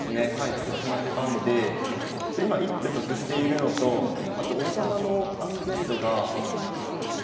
私の手番で今一歩得しているのとあと王様の安全度がそうですね